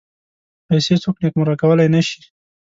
پیسې څوک نېکمرغه کولای نه شي.